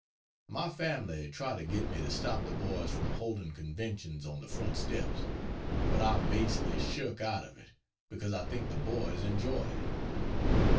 My family try to get me to stop the boys from holding conventions on the front steps, but I basely shirk out of it, because I think the boys enjoy it.